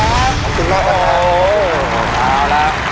ขอบคุณมากครับครับ